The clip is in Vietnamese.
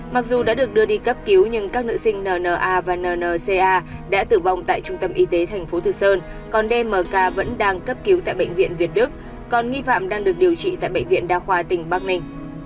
mặc dù đã được đưa đi cấp cứu nhưng các nữ sinh n n a và n n c a đã tử vong tại trung tâm y tế thành phố tử sơn còn d m k vẫn đang cấp cứu tại bệnh viện việt đức còn nhi phạm đang được điều trị tại bệnh viện đa khoa tỉnh bắc ninh